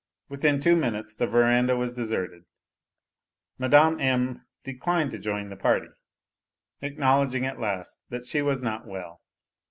Within two minutes the verandah was deserted. Mme. M. declined to join the party, acknowledging at last that she was not well.